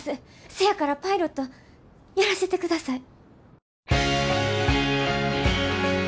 せやからパイロットやらせてください。